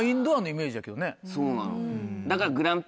そうなの。